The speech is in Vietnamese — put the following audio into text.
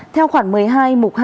theo khoảng một mươi hai mục hai